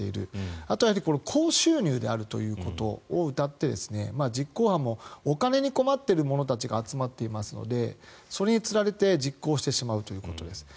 あとは高収入であるということをうたって実行犯もお金に困っている者たちが集まっていますのでそれにつられて実行してしまうということです。